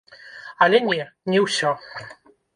Але не, не ўсё.